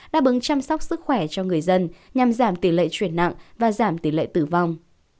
đáp ứng chăm sóc sức khỏe cho người dân nhằm giảm tỷ lệ chuyển nặng và giảm tỷ lệ tử vong